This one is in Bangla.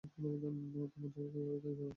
তোমার জামাইকে বাড়িতে আনতে যাচ্ছি!